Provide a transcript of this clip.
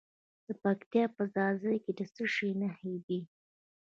د پکتیا په ځاځي کې د څه شي نښې دي؟